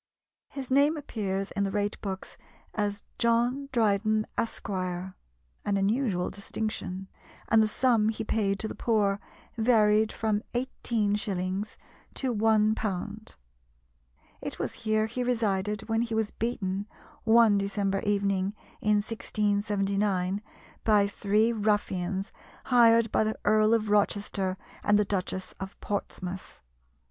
His name appears in the rate books as "John Dryden, Esq." an unusual distinction and the sum he paid to the poor varied from 18s. to £1. It was here he resided when he was beaten, one December evening in 1679, by three ruffians hired by the Earl of Rochester and the Duchess of Portsmouth.